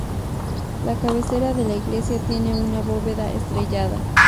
La cabecera de la iglesia tiene una bóveda estrellada.